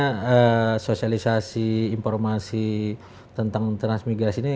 karena sosialisasi informasi tentang transmigrasi ini